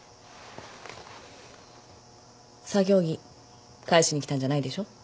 作業着返しに来たんじゃないでしょ。